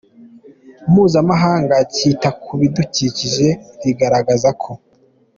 Mpuzamahanga cyita ku bidukikije rigaragaza ko.